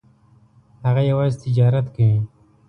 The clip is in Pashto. هغه یوازې تجارت کوي.